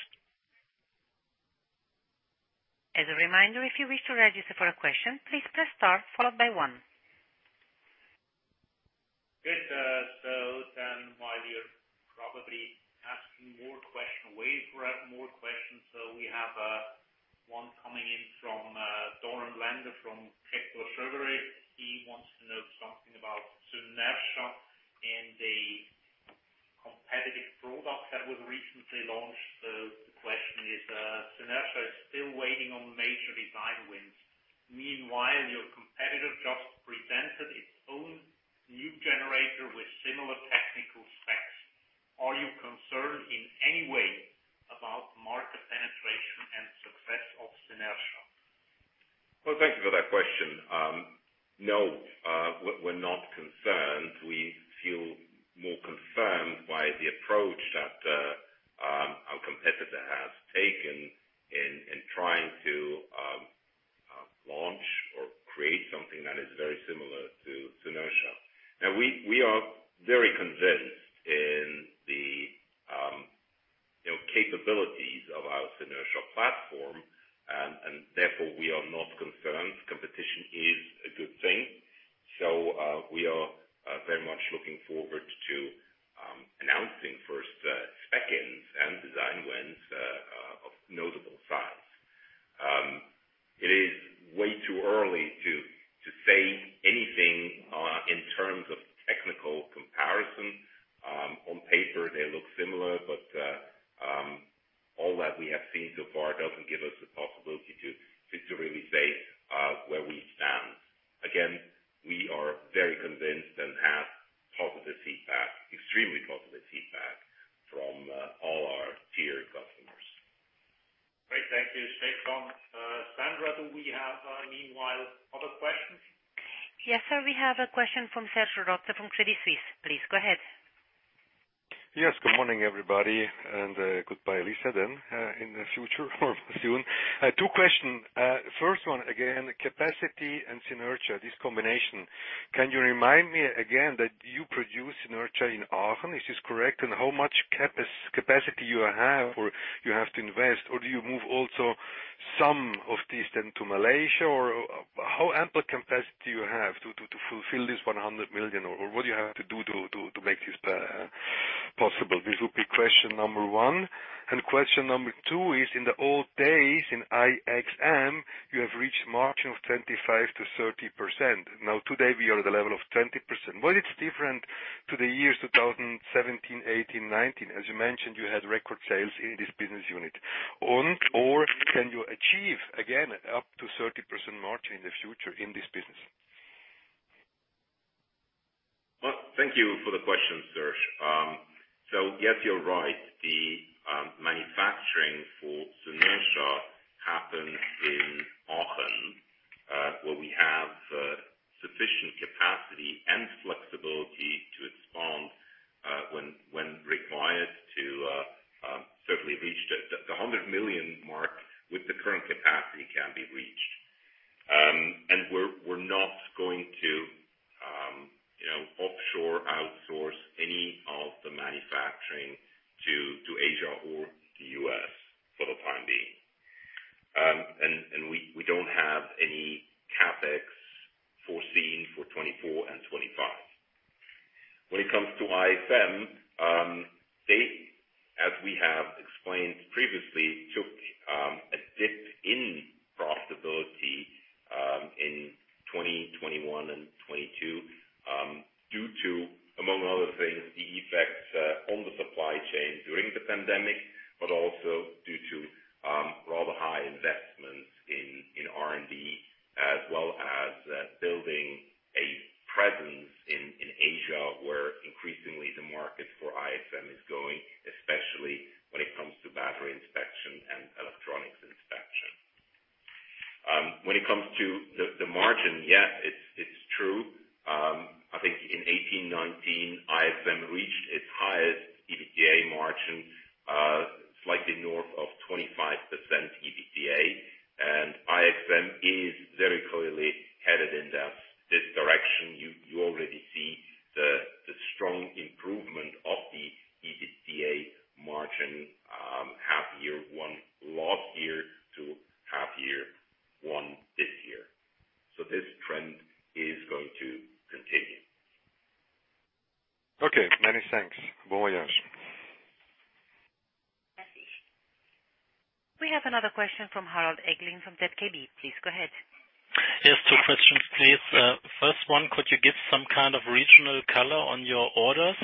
As a reminder, if you wish to register for a question, please press star followed by 1. Good. While you're probably asking more question, waiting for more questions, we have one coming in from Doron Landeu from Jefferies. He wants to know something about Synertia and the-... product that was recently launched. The question is, Synertia is still waiting on major design wins. Meanwhile, your competitor just presented its own new generator with similar technical specs. Are you concerned in any way about market penetration and success of Synertia? Well, thank you for that question. No, we're, we're not concerned. We feel more confirmed by the approach that our competitor has taken in, in trying to launch or create something that is very similar to Synertia. Now, we, we are very convinced in the, you know, capabilities of our Synertia platform, and, and therefore, we are not concerned. Competition is a good thing. We are very much looking forward to announcing first spec wins and design wins of notable size. It is way too early to, to say anything in terms of technical comparison. On paper, they look similar, all that we have seen so far doesn't give us the possibility to, to, to really say where we stand. Again, we are very convinced and have positive feedback, extremely positive feedback from, all our tier customers. Great. Thank you. Stay strong. Sandra, do we have, meanwhile, other questions? Yes, sir, we have a question from Serge Rotzer, from Credit Suisse. Please, go ahead. Good morning, everybody, and goodbye, Lisa. In the future or soon. Two questions. First one, again, capacity and Synertia, this combination. Can you remind me again that you produce Synertia in Aachen? Is this correct? How much capacity you have, or you have to invest, or do you move also some of this then to Malaysia? How ample capacity you have to fulfill this $100 million, or what do you have to do to make this possible? This will be question number one. Question number two is: in the old days, in IXM, you have reached margin of 25%-30%. Now, today, we are at the level of 20%. Why it's different to the years 2017, 2018, 2019? As you mentioned, you had record sales in this business unit. On or can you achieve again, up to 30% margin in the future in this business? Well, thank you for the question, Serge. Yes, you're right. The manufacturing for Synertia happens in Aachen, where we have sufficient capacity and flexibility to expand, when, when required to certainly reach the $100 million mark with the current capacity can be reached. We're, we're not going to, you know, offshore, outsource any of the manufacturing to, to Asia or the US for the time being. We don't have any CapEx foreseen for 2024 and 2025. When it comes to IXM, they, as we have explained previously, took a dip in profitability in 2021 and 2022, due to, among other things, the effects on the supply chain during the pandemic, but also due to rather high investments in R&D, as well as building a presence in Asia, where increasingly the market for IXM is going, especially when it comes to battery inspection and electronics inspection. When it comes to the margin, yes, it's true. I think in 2018, 2019, IXM reached its highest EBITDA margin, slightly north of 25% EBITDA, and IXM is very clearly headed in that, this direction. You already see the strong improvement of the EBITDA margin, half year one last year to half year one this year. This trend is going to continue. Okay, many thanks. Bon voyage. Thank you. We have another question from Harald Eggling, from Zürcher Kantonalbank. Please, go ahead. Yes, 2 questions, please. First one, could you give some kind of regional color on your orders,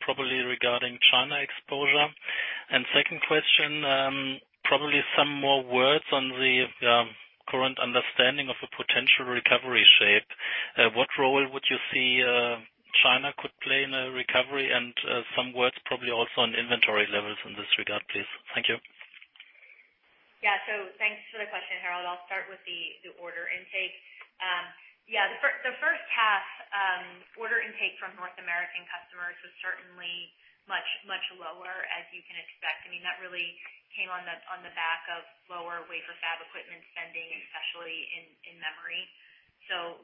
probably regarding China exposure? Second question, probably some more words on the current understanding of a potential recovery shape. What role would you see, China could play in a recovery? Some words probably also on inventory levels in this regard, please. Thank you. Yeah. Thanks for the question, Harold. I'll start with the order intake. Yeah, the First Half order intake from North American customers was certainly much, much lower, as you can expect. I mean, that really came on the back of lower wafer fab equipment spending, especially in memory.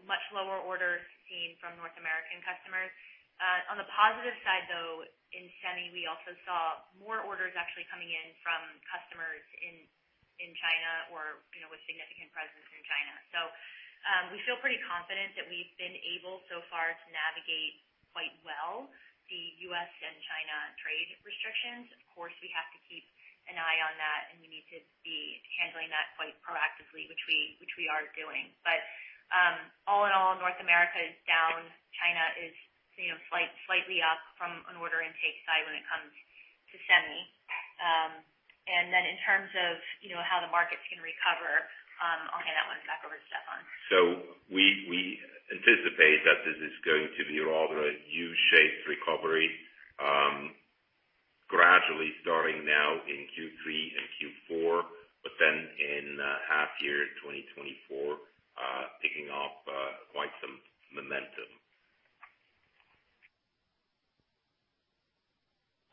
Much lower orders seen from North American customers. On the positive side, though, in semi, we also saw more orders actually coming in from customers in China or, you know, with significant presence in China. We feel pretty confident that we've been able so far to navigate quite well the U.S. and China trade restrictions. Of course, we have to keep an eye on that, and we need handling that quite proactively, which we, which we are doing. All in all, North America is down. China is slightly up from an order intake side when it comes to semi. Then in terms of how the market is going to recover, I'll hand that one back over to Stefan. we, we anticipate that this is going to be rather a U-shaped recovery, gradually starting now in Q3 and Q4, but then in, half year 2024, picking up, quite some momentum.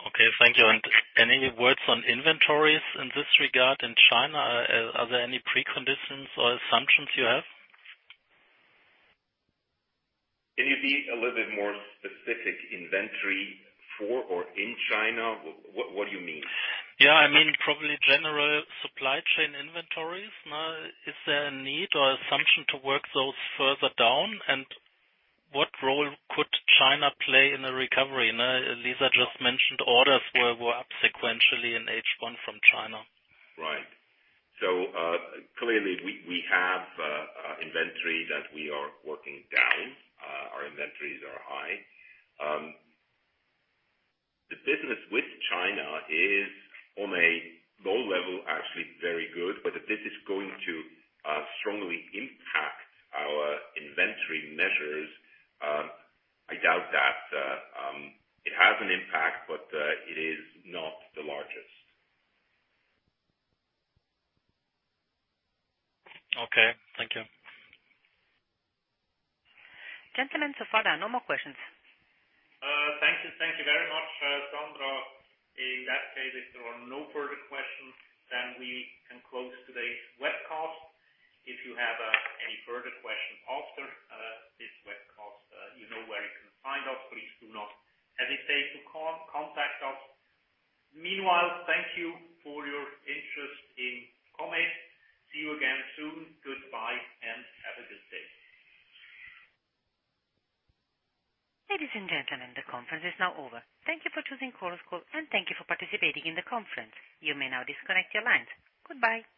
Okay, thank you. Any words on inventories in this regard in China? Are there any preconditions or assumptions you have? Can you be a little bit more specific, inventory for or in China? What, what do you mean? Yeah, I mean, probably general supply chain inventories. Now, is there a need or assumption to work those further down? What role could China play in a recovery? Now, Lisa just mentioned orders were up sequentially in H1 from China. Right. Clearly, we, we have inventory that we are working down. Our inventories are high. The business with China is on a low level, actually very good, but if this is going to strongly impact our inventory measures, I doubt that it has an impact, but it is not the largest. Okay, thank you. Gentlemen, so far, there are no more questions. Thank you. Thank you very much, Sandra. In that case, if there are no further questions, then we can close today's webcast. If you have any further questions after this webcast, you know where you can find us, please do not hesitate to contact us. Meanwhile, thank you for your interest in Comet. See you again soon. Goodbye, and have a good day. Ladies and gentlemen, the conference is now over. Thank you for choosing Chorus Call, and thank you for participating in the conference. You may now disconnect your lines. Goodbye.